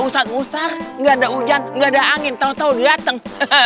usah usah nggak ada hujan nggak ada angin tau tau dateng